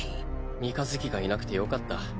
三日月がいなくてよかった。